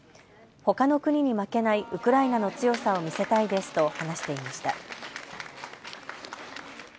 ほかの国に負けないウクライナの強さを見せたいですと話していました。